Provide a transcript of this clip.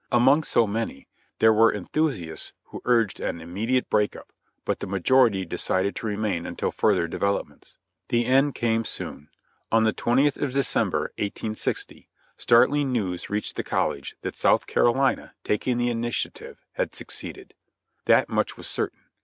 Among so many, there were enthusiasts who urged an imme diate break up, but the majority decided to remain until further developments. The end came soon. On the 20th of December, i860, startling news reached the college that South Carolina, taking the initiative, had seceded. That much was certain.